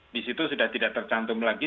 disitu sudah tidak tercantum lagi